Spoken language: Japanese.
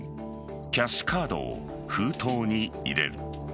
キャッシュカードを封筒に入れる。